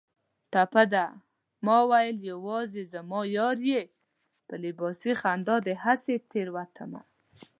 ټپه ده: ماوېل یوازې زما یار یې په لباسي خندا دې هسې تېروتمه